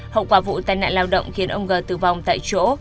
hậu quả vụ tai nạn lao động khiến ông g tử vong tại chỗ